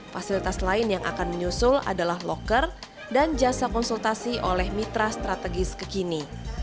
fasilitas lain yang akan menyusul adalah loker dan jasa konsultasi oleh mitra strategis kekini